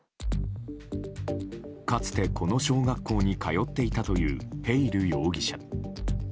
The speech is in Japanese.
かつて、この小学校に通っていたというヘイル容疑者。